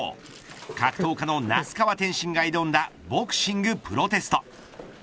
格闘家の那須川天心が挑んだボクシングプロテスト。